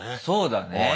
そうだね。